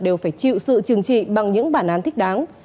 đều phải chịu sự trừng trị bằng những bản án thích đáng